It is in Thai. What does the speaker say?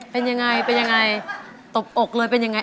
เป็นยังไงเป็นยังไงตบอกเลยเป็นยังไง